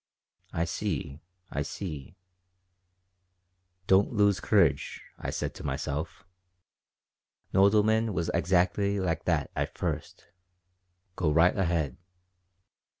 "I see. I see." "Don't lose courage," I said to myself. "Nodelman was exactly like that at first. Go right ahead."